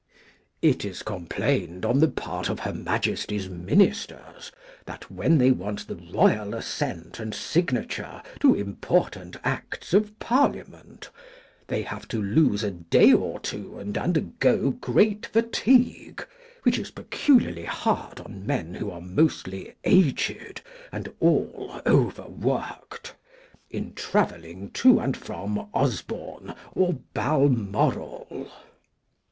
It is complained on the part of her Majesty's. Ministers, that when they want the royal assent and signature to important Acts of Parliament, they have to lose a day or two and undergo great fatigue (which is peculiarly hard on men who are mostly aged, and all overworked) in travelling to and from Osborne or Balmoral.